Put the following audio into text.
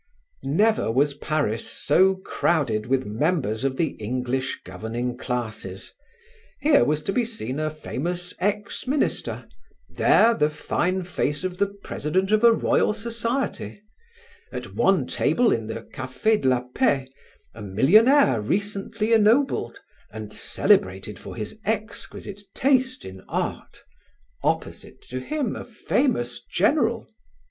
Never was Paris so crowded with members of the English governing classes; here was to be seen a famous ex Minister; there the fine face of the president of a Royal society; at one table in the Café de la Paix, a millionaire recently ennobled, and celebrated for his exquisite taste in art; opposite to him a famous general.